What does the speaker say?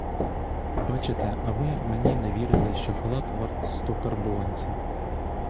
Бачите, а ви мені не вірили, що халат варт сто карбованців.